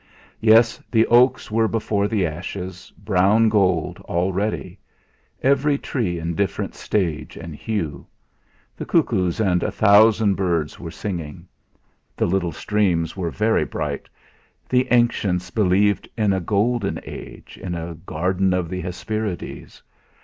Yes, the oaks were before the ashes, brown gold already; every tree in different stage and hue. The cuckoos and a thousand birds were singing; the little streams were very bright. The ancients believed in a golden age, in the garden of the Hesperides!...